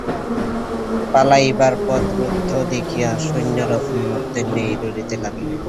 পালাইবার পথ রুদ্ধ দেখিয়া সৈন্যেরা উন্মত্তের ন্যায় লড়িতে লাগিল।